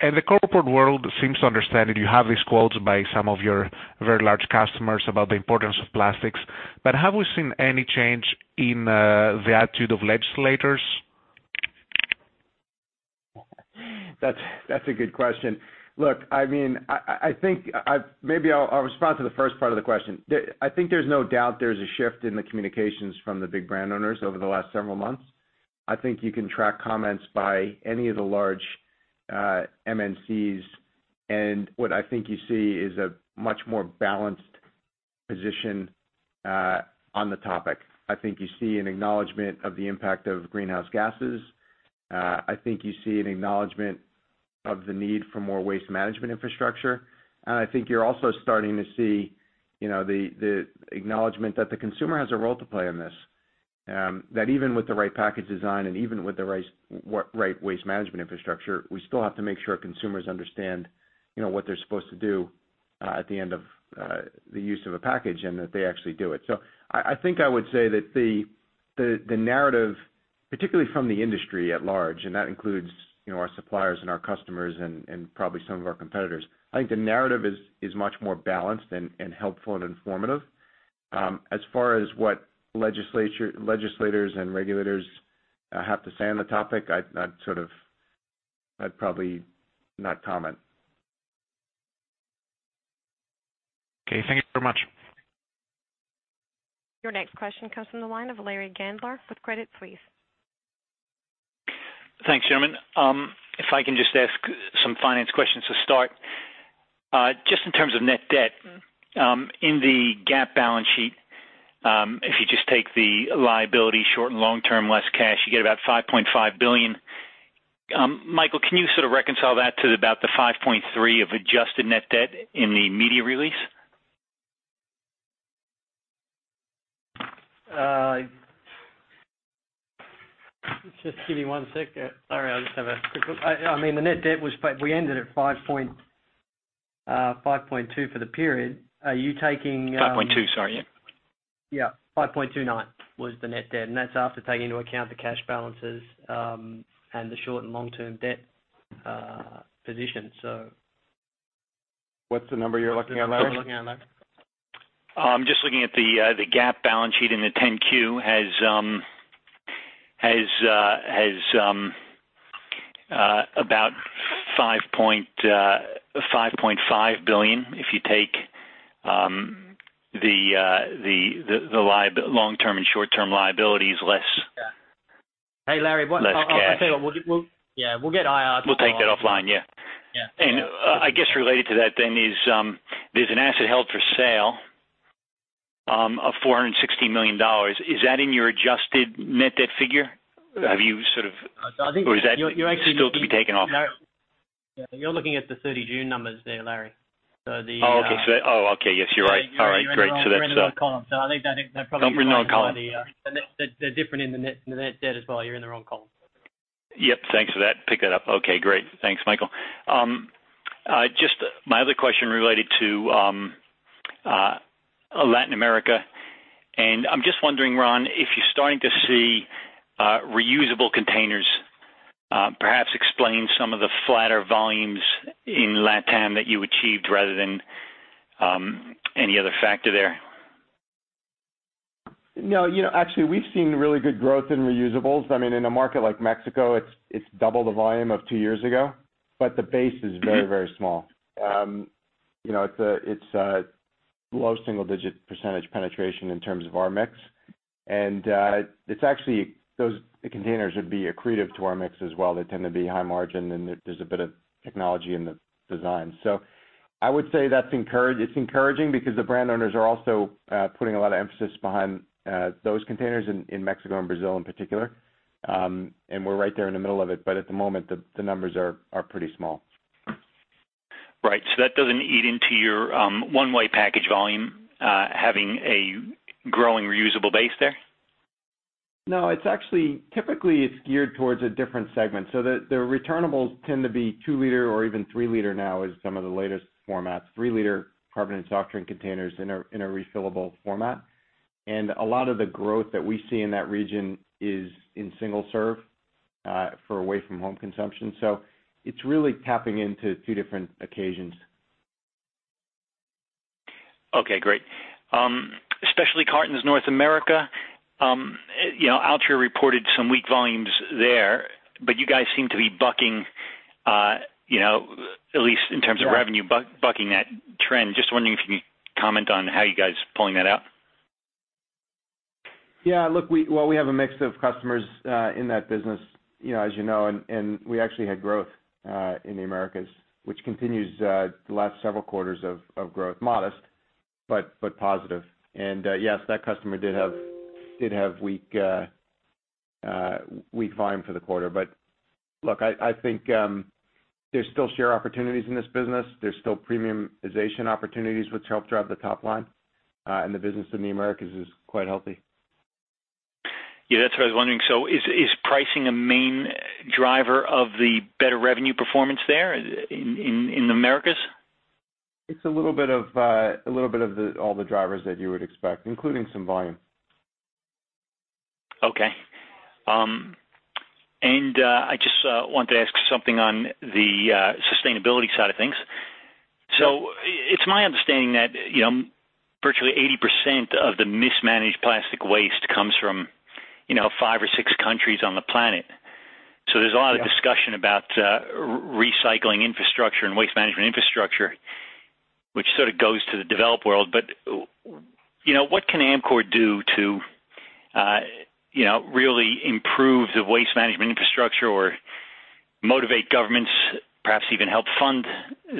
And the corporate world seems to understand, and you have these quotes by some of your very large customers about the importance of plastics. But have we seen any change in, the attitude of legislators? That's a good question. Look, I mean, I think maybe I'll respond to the first part of the question. I think there's no doubt there's a shift in the communications from the big brand owners over the last several months. I think you can track comments by any of the large MNCs, and what I think you see is a much more balanced position on the topic. I think you see an acknowledgment of the impact of greenhouse gases. I think you see an acknowledgment of the need for more waste management infrastructure, and I think you're also starting to see, you know, the acknowledgment that the consumer has a role to play in this. That even with the right package design and even with the right waste management infrastructure, we still have to make sure consumers understand, you know, what they're supposed to do at the end of the use of a package, and that they actually do it. So I think I would say that the narrative, particularly from the industry at large, and that includes, you know, our suppliers and our customers and probably some of our competitors, I think the narrative is much more balanced and helpful and informative. As far as what legislators and regulators have to say on the topic, I'd sort of... I'd probably not comment. Okay. Thank you very much. Your next question comes from the line of Larry Gandler with Credit Suisse. Thanks, chairman. If I can just ask some finance questions to start. Just in terms of net debt, in the GAAP balance sheet, if you just take the liability, short and long term, less cash, you get about $5.5 billion. Michael, can you sort of reconcile that to about the $5.3 billion of adjusted net debt in the media release? Just give me one second. Sorry, I'll just have a... I mean, we ended at $5.2 for the period. Are you taking? 5.2, sorry, yeah. Yeah, 5.29 was the net debt, and that's after taking into account the cash balances, and the short and long-term debt, position, so. What's the number you're looking at, Larry? What are you looking at, Larry? I'm just looking at the GAAP balance sheet in the 10-Q has about $5.5 billion. If you take the long-term and short-term liabilities, less- Yeah. Hey, Larry, what- -less cash. I'll tell you what, yeah, we'll get IR to follow up. We'll take that offline, yeah. Yeah. And I guess related to that, then, is, there's an asset held for sale of $460 million. Is that in your adjusted net debt figure? Have you sort of- I think- Or is that still to be taken off? You're looking at the 30 June numbers there, Larry. So the, Oh, okay. So, yes, you're right. All right, great. So that's the wrong column. So I think that they're probably- Don't bring the wrong column. They're different in the net-net debt as well. You're in the wrong column. Yep. Thanks for that. Pick that up. Okay, great. Thanks, Michael. Just my other question related to Latin America, and I'm just wondering, Ron, if you're starting to see reusable containers, perhaps explain some of the flatter volumes in LatAm that you achieved rather than any other factor there? No, you know, actually, we've seen really good growth in reusables. I mean, in a market like Mexico, it's double the volume of two years ago, but the base is very, very small. You know, it's a low single-digit percentage penetration in terms of our mix. And it's actually those containers would be accretive to our mix as well. They tend to be high margin, and there's a bit of technology in the design. So I would say that's encouraging because the brand owners are also putting a lot of emphasis behind those containers in Mexico and Brazil in particular. And we're right there in the middle of it, but at the moment, the numbers are pretty small. Right. So that doesn't eat into your one-way package volume, having a growing reusable base there? No, it's actually typically, it's geared towards a different segment. So the returnables tend to be two-liter or even three-liter now, is some of the latest formats, three-liter carbonated and soft drink containers in a refillable format. And a lot of the growth that we see in that region is in single-serve for away from home consumption. So it's really tapping into two different occasions. Okay, great. Specialty Cartons North America, you know, Altria reported some weak volumes there, but you guys seem to be bucking, you know, at least in terms of revenue, bucking that trend. Just wondering if you can comment on how you guys are pulling that out. Yeah, look, well, we have a mix of customers in that business, you know, as you know, and we actually had growth in the Americas, which continues the last several quarters of growth. Modest, but positive, and yes, that customer did have weak volume for the quarter, but look, I think there's still share opportunities in this business. There's still premiumization opportunities, which help drive the top line, and the business in the Americas is quite healthy. Yeah, that's what I was wondering. So is pricing a main driver of the better revenue performance there in the Americas? It's a little bit of all the drivers that you would expect, including some volume. Okay, and I just want to ask something on the sustainability side of things. So it's my understanding that, you know, virtually 80% of the mismanaged plastic waste comes from, you know, five or six countries on the planet. So there's a lot of discussion about recycling infrastructure and waste management infrastructure, which sort of goes to the developed world. But, you know, what can Amcor do to, you know, really improve the waste management infrastructure or motivate governments, perhaps even help fund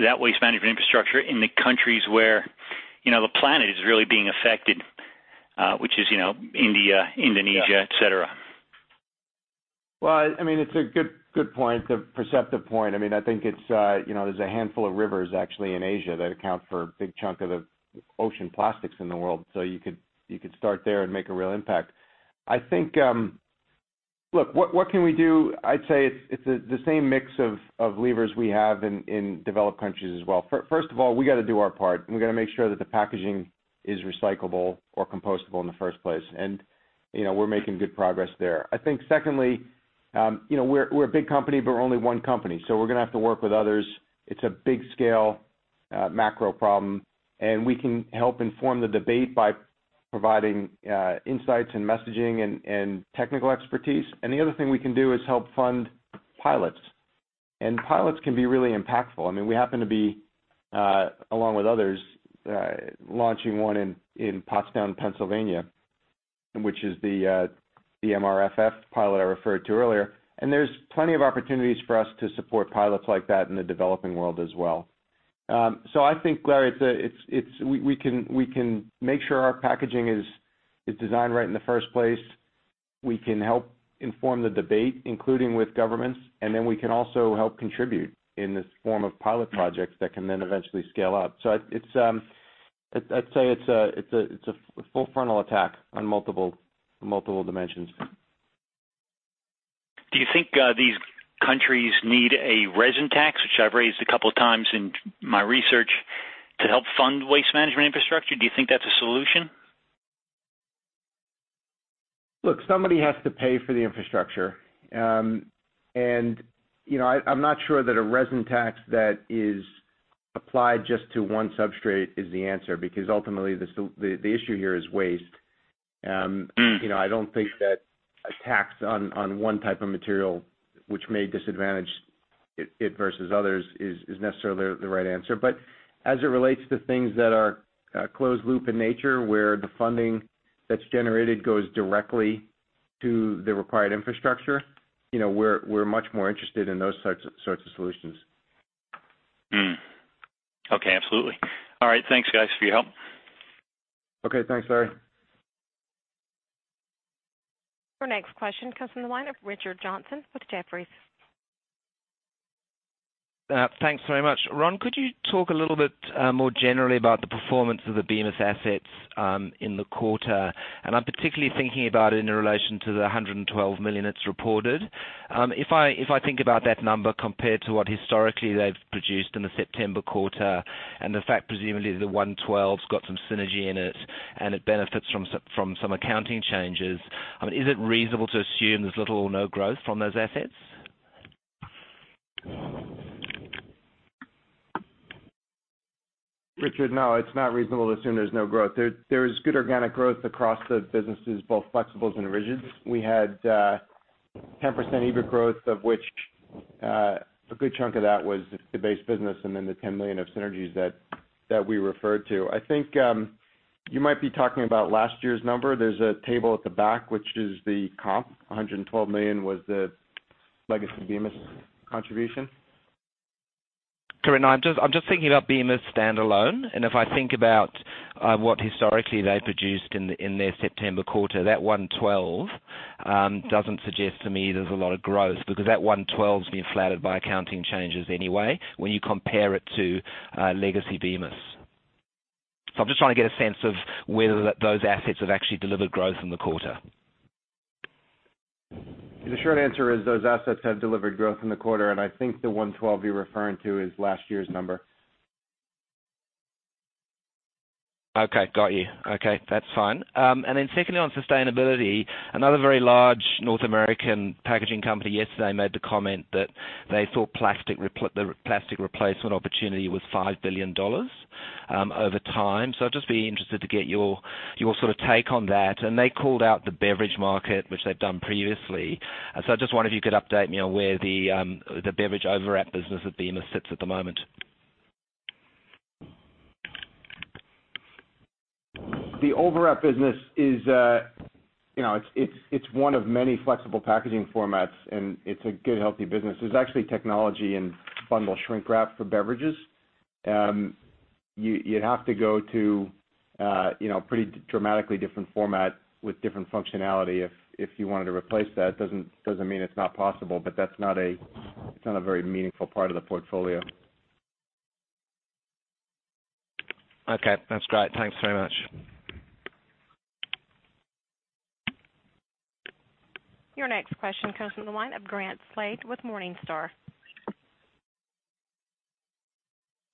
that waste management infrastructure in the countries where, you know, the planet is really being affected, which is, you know, India, Indonesia, et cetera? Well, I mean, it's a good, good point, a perceptive point. I mean, I think it's, you know, there's a handful of rivers actually in Asia that account for a big chunk of the ocean plastics in the world. So you could, you could start there and make a real impact. I think, Look, what can we do? I'd say it's the same mix of levers we have in developed countries as well. First of all, we got to do our part, and we got to make sure that the packaging is recyclable or compostable in the first place, and you know, we're making good progress there. I think secondly, you know, we're a big company, but we're only one company, so we're gonna have to work with others. It's a big scale macro problem, and we can help inform the debate by providing insights and messaging and technical expertise. And the other thing we can do is help fund pilots, and pilots can be really impactful. I mean, we happen to be along with others launching one in Pottstown, Pennsylvania, which is the MRF pilot I referred to earlier. And there's plenty of opportunities for us to support pilots like that in the developing world as well. So I think, Larry, it's. We can make sure our packaging is designed right in the first place. We can help inform the debate, including with governments, and then we can also help contribute in this form of pilot projects that can then eventually scale up. So I'd say it's a full frontal attack on multiple dimensions. Do you think these countries need a resin tax, which I've raised a couple of times in my research, to help fund waste management infrastructure? Do you think that's a solution? Look, somebody has to pay for the infrastructure, and you know, I, I'm not sure that a resin tax that is applied just to one substrate is the answer, because ultimately, the issue here is waste. You know, I don't think that a tax on one type of material, which may disadvantage it versus others, is necessarily the right answer, but as it relates to things that are closed loop in nature, where the funding that's generated goes directly to the required infrastructure, you know, we're much more interested in those types of solutions.... Mm-hmm. Okay, absolutely. All right, thanks, guys, for your help. Okay, thanks, Larry. Our next question comes from the line of Richard Johnson with Jefferies. Thanks very much. Ron, could you talk a little bit more generally about the performance of the Bemis assets in the quarter? And I'm particularly thinking about it in relation to the $112 million it's reported. If I think about that number compared to what historically they've produced in the September quarter, and the fact presumably the $112's got some synergy in it, and it benefits from some accounting changes, I mean, is it reasonable to assume there's little or no growth from those assets? Richard, no, it's not reasonable to assume there's no growth. There is good organic growth across the businesses, both Flexibles and Rigids. We had 10% EBIT growth, of which a good chunk of that was the base business and then the $10 million of synergies that we referred to. I think you might be talking about last year's number. There's a table at the back, which is the comp, $112 million was the legacy Bemis contribution. Correct. No, I'm just, I'm just thinking about Bemis standalone, and if I think about what historically they produced in their September quarter, that one twelve doesn't suggest to me there's a lot of growth because that one twelve's being flattered by accounting changes anyway, when you compare it to legacy Bemis. So I'm just trying to get a sense of whether those assets have actually delivered growth in the quarter. The short answer is those assets have delivered growth in the quarter, and I think the 112 you're referring to is last year's number. Okay, got you. Okay, that's fine. And then secondly, on sustainability, another very large North American packaging company yesterday made the comment that they thought the plastic replacement opportunity was $5 billion, over time. So I'd just be interested to get your sort of take on that. And they called out the beverage market, which they've done previously. And so I just wondered if you could update me on where the beverage overwrap business of Bemis sits at the moment. The overwrap business is, you know, it's one of many flexible packaging formats, and it's a good, healthy business. There's actually technology in bundle shrink wrap for beverages. You'd have to go to, you know, pretty dramatically different format with different functionality if you wanted to replace that. Doesn't mean it's not possible, but that's not a very meaningful part of the portfolio. Okay, that's great. Thanks very much. Your next question comes from the line of Grant Slade with Morningstar.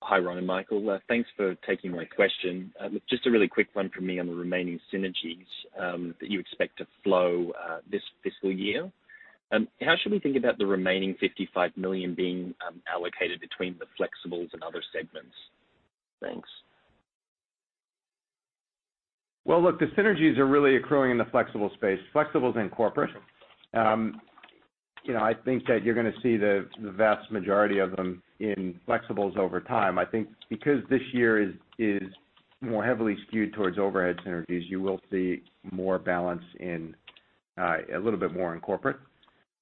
Hi, Ron and Michael. Thanks for taking my question. Just a really quick one for me on the remaining synergies that you expect to flow this fiscal year. How should we think about the remaining $55 million being allocated between the Flexibles and other segments? Thanks. Look, the synergies are really accruing in the flexible space, Flexibles and corporate. You know, I think that you're gonna see the vast majority of them in Flexibles over time. I think because this year is more heavily skewed towards overhead synergies, you will see more balance in a little bit more in corporate,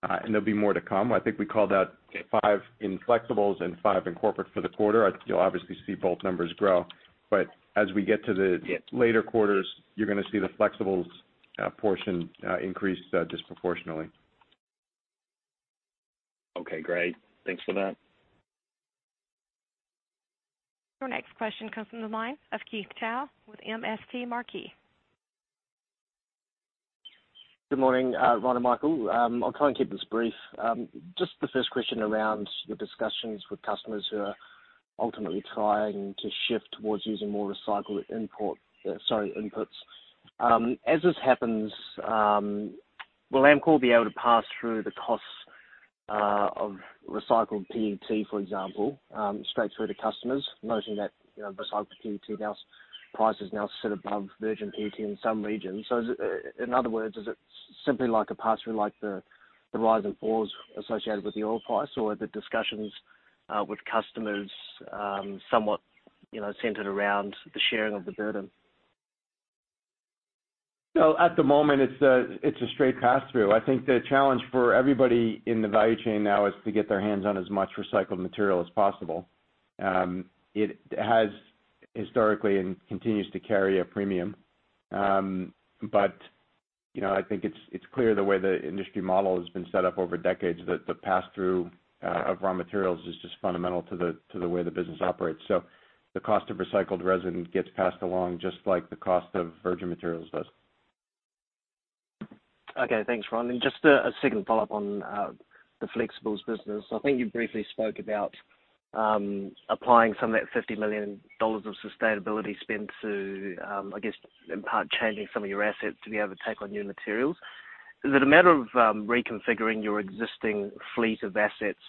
and there'll be more to come. I think we called out five in Flexibles and five in corporate for the quarter. You'll obviously see both numbers grow, but as we get to the later quarters, you're gonna see the Flexibles portion increase disproportionately. Okay, great. Thanks for that. Your next question comes from the line of Keith Chau with MST Marquee. Good morning, Ron and Michael. I'll try and keep this brief. Just the first question around the discussions with customers who are ultimately trying to shift towards using more recycled inputs. As this happens, will Amcor be able to pass through the costs of recycled PET, for example, straight through to customers, noting that, you know, recycled PET now, price is now set above virgin PET in some regions? So is it, in other words, is it simply like a pass-through, like the, the rise and falls associated with the oil price, or are the discussions with customers somewhat, you know, centered around the sharing of the burden? So at the moment, it's a straight pass-through. I think the challenge for everybody in the value chain now is to get their hands on as much recycled material as possible. It has historically and continues to carry a premium. But, you know, I think it's clear the way the industry model has been set up over decades, that the pass-through of raw materials is just fundamental to the way the business operates. So the cost of recycled resin gets passed along, just like the cost of virgin materials does. Okay. Thanks, Ron. And just a second follow-up on the Flexibles business. I think you briefly spoke about applying some of that $50 million of sustainability spend to, I guess, in part, changing some of your assets to be able to take on new materials. Is it a matter of reconfiguring your existing fleet of assets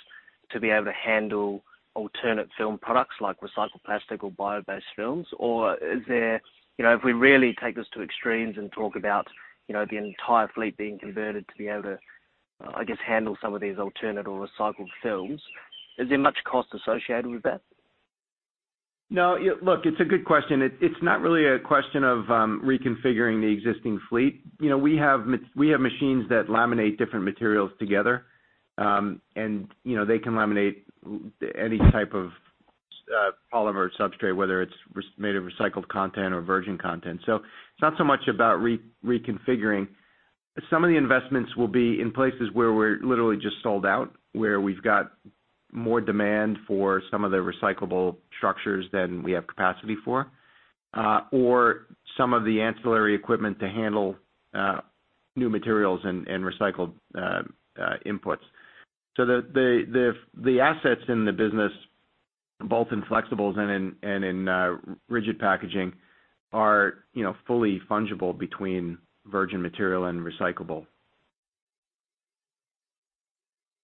to be able to handle alternate film products like recycled plastic or bio-based films? Or is there... You know, if we really take this to extremes and talk about the entire fleet being converted to be able to, I guess, handle some of these alternate or recycled films, is there much cost associated with that? No, look, it's a good question. It's not really a question of reconfiguring the existing fleet. You know, we have machines that laminate different materials together. And, you know, they can laminate any type of polymer or substrate, whether it's made of recycled content or virgin content. So it's not so much about reconfiguring. Some of the investments will be in places where we're literally just sold out, where we've got more demand for some of the recyclable structures than we have capacity for, or some of the ancillary equipment to handle new materials and recycled inputs. So the assets in the business, both in Flexibles and in Rigid Packaging, are, you know, fully fungible between virgin material and recyclable.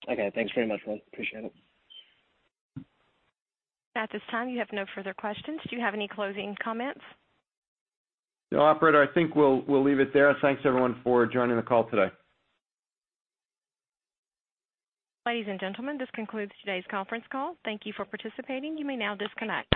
Okay, thanks very much, Ron. Appreciate it. At this time, you have no further questions. Do you have any closing comments? No, operator, I think we'll leave it there. Thanks, everyone, for joining the call today. Ladies and gentlemen, this concludes today's conference call. Thank you for participating. You may now disconnect.